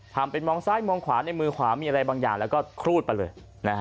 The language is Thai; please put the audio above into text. ทำเป็นมองซ้ายมองขวาในมือขวามีอะไรบางอย่างแล้วก็ครูดไปเลย